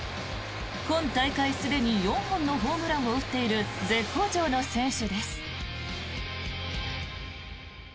今大会、すでに４本のホームランを打っている絶好調の選手です。